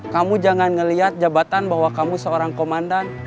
kamu jangan melihat jabatan bahwa kamu seorang komandan